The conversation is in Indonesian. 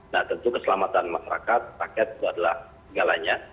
nah tentu keselamatan masyarakat paket itu adalah segalanya